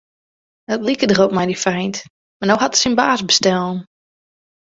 It like derop mei dy feint, mar no hat er syn baas bestellen.